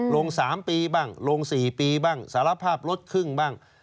ลง๓ปีบ้างลง๔ปีบ้างสารภาพลดครึ่งบ้าง